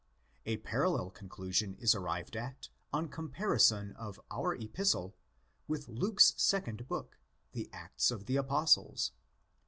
A parallel conclusion is arrived at on comparison of our Epistle with Luke's second book, the Acts of the Apostles.